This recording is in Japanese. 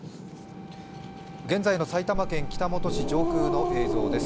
現在の埼玉県北本市上空の映像です。